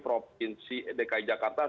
provinsi dki jakarta